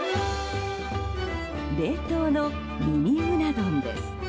冷凍のミニうな丼です。